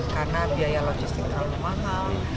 karena biaya logistik terlalu mahal